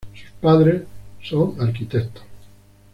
Sus padres son arquitectos.